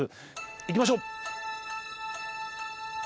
行きましょう。